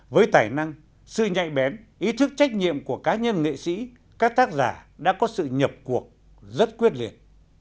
với tài năng sự nhạy bén ý thức trách nhiệm của cá nhân nghệ sĩ các tác giả đã có sự nhập cuộc rất quyết liệt